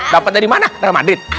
dapet dari mana dalam madrid